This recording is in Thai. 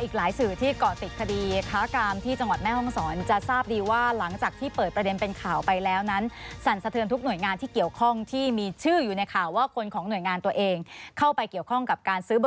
ขบวนการผู้ค้าซะเองนะคะ